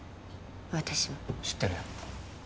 私も知ってるよ